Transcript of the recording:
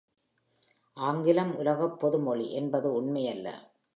ஆங்கிலம் உலகப் பொதுமொழி என்பது உண்மையல்ல.